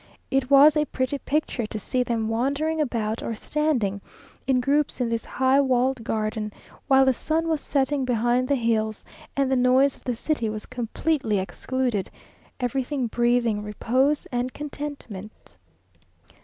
It was a pretty picture to see them wandering about, or standing in groups in this high walled garden, while the sun was setting behind the hills, and the noise of the city was completely excluded, everything breathing repose and contentment.